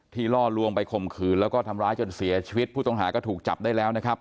ล่อลวงไปข่มขืนแล้วก็ทำร้ายจนเสียชีวิตผู้ต้องหาก็ถูกจับได้แล้วนะครับ